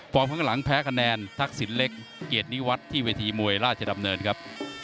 ข้างหลังแพ้คะแนนทักษิณเล็กเกียรตินิวัฒน์ที่เวทีมวยราชดำเนินครับ